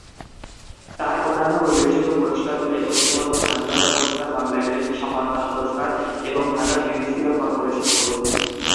তার অন্যান্য উল্লেখযোগ্য পুরস্কার হল একুশে পদক, স্বাধীনতা দিবস পুরস্কার, বাংলা একাডেমির সম্মাননা পুরস্কার এবং ঢাকা মিউনিসিপ্যাল কর্পোরেশন পদক।